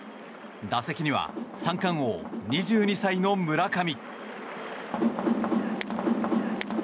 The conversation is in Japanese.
打席には三冠王、２２歳の村上。